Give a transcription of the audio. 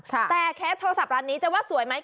แต่เคสโทรศัพท์ร้านนี้จะว่าสวยไหม